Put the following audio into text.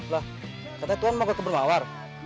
lah katanya tuhan mau ke keberlawar